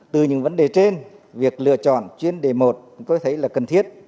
từ những vấn đề trên việc lựa chọn chuyên đề một tôi thấy là cần thiết